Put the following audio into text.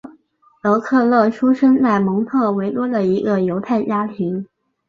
德克勒出生在蒙特维多的一个犹太家庭。